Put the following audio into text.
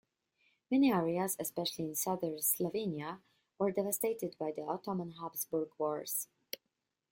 Many areas, especially in southern Slovenia, were devastated by the Ottoman-Habsburg Wars.